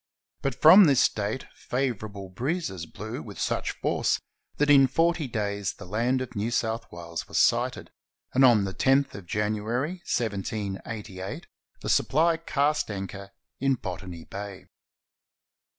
But from this date favorable breezes blew with such force that in forty days the land of New South Wales was sighted, and on the loth of January, 1788, the Supply cast anchor in Botany Bay.